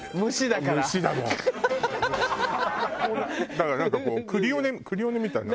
だからなんかこうクリオネみたいに。